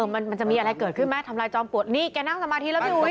มันมันจะมีอะไรเกิดขึ้นไหมทำลายจอมปลวกนี่แกนั่งสมาธิแล้วพี่อุ๋ย